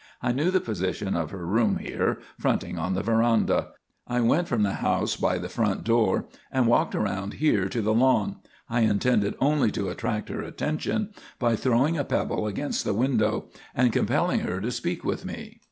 I knew the position of her room here, fronting on the veranda. I went from the house by the front door and walked around here to the lawn. I intended only to attract her attention by throwing a pebble against the window and compelling her to speak with me.